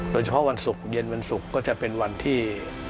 วันศุกร์เย็นวันศุกร์ก็จะเป็นวันที่